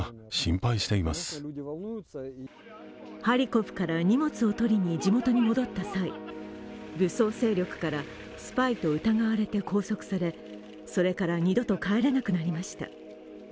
ハリコフから荷物を取りに地元に戻った際武装勢力からスパイと疑われて拘束され、それから、二度と帰れなくなりました。